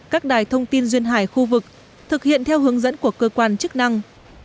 các đài thông tin duyên hải khu vực thực hiện theo hướng dẫn của cơ quan chức năng